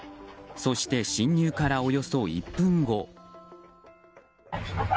そして侵入からおよそ１分後。